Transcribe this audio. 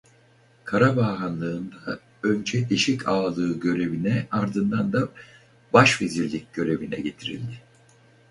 Karabağ Hanlığı'nda önce eşik ağalığı görevine ardından da başvezirlik görevine getirildi.